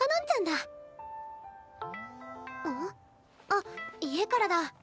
あっ家からだ。